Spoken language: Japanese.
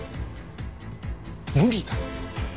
無理だ。